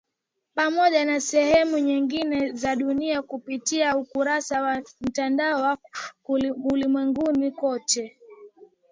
Pamoja na sehemu nyingine za dunia kupitia ukurasa wa Mtandao wa Ulimwenguni Kote